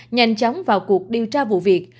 nhanh chóng vào cuộc điều tra vụ việc